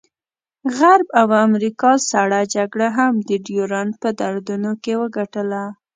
غرب او امریکا سړه جګړه هم د ډیورنډ په دردونو کې وګټله.